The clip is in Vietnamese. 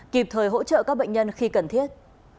kịp thời hỗ trợ các bệnh nhân khi cần thiết